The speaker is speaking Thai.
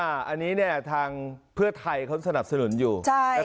อันนี้ทางเพื่อไทยเขาสนับสนุนอยู่